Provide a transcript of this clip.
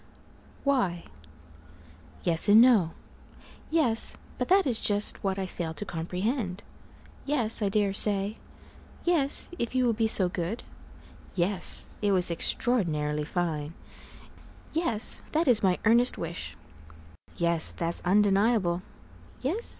Y Yes and no Yes, but that is just what I fail to comprehend Yes, I dare say Yes, if you will be so good Yes, it was extraordinarily fine Yes, that is my earnest wish Yes, that's undeniable Yes?